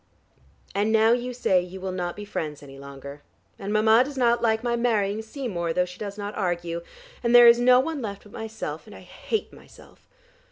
And now you say you will not be friends any longer, and Mama does not like my marrying Seymour, though she does not argue, and there is no one left but myself, and I hate myself.